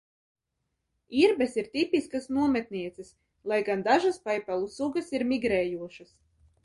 Irbes ir tipiskas nometnieces, lai gan dažas paipalu sugas ir migrējošas.